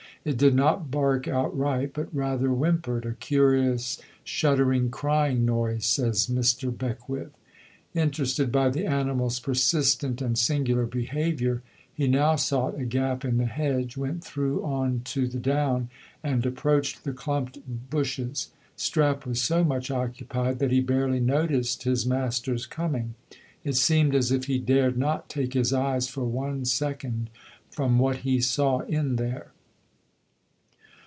It did not bark outright but rather whimpered "a curious, shuddering, crying noise," says Mr. Beckwith. Interested by the animal's persistent and singular behaviour, he now sought a gap in the hedge, went through on to the down, and approached the clumped bushes. Strap was so much occupied that he barely noticed his master's coming; it seemed as if he dared not take his eyes for one second from what he saw in there.